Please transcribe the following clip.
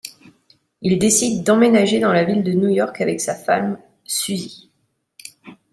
Il décide d’emménager dans la ville de New York avec sa femme Susie.